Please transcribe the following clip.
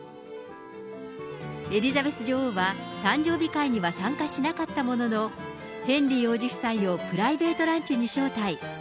エリザベス女王は誕生日会には参加しなかったものの、ヘンリー王子夫妻をプライベートランチに招待。